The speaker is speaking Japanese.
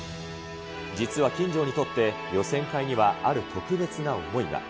実は金城にとって予選会にはある特別な思いが。